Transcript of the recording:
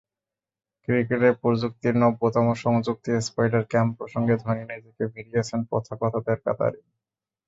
ক্রিকেটে প্রযুক্তির নব্যতম সংযুক্তি স্পাইডার ক্যাম প্রসঙ্গে ধোনি নিজেকে ভিড়িয়েছেন প্রথাগতদের কাতারেই।